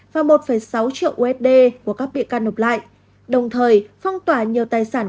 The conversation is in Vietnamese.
và một sáu triệu usd của các bị can nộp lại đồng thời phong tỏa nhiều tài sản